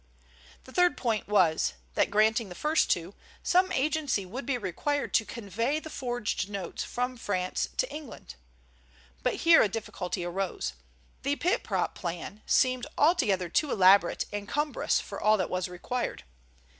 The third point was that, granting the first two, some agency would be required to convey the forged notes from France to England. But here a difficulty arose. The pit prop plan seemed altogether too elaborate and cumbrous for all that was required.